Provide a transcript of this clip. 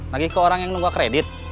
lagi ke orang yang nunggu kredit